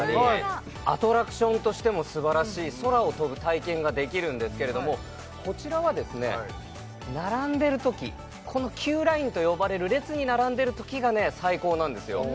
アトラクションとしても素晴らしい空を飛ぶ体験ができるんですけれどもこちらはですね並んでる時このキューラインと呼ばれる列に並んでる時がね最高なんですよ